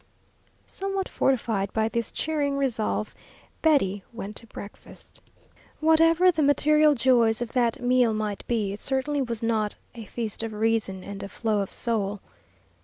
Somewhat fortified by this cheering resolve, Betty went to breakfast. Whatever the material joys of that meal might be, it certainly was not "a feast of reason and a flow of soul."